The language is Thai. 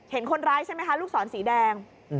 เห็นคนร้ายใช่ไหมคะลูกศรสีแดง